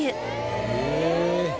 へえ・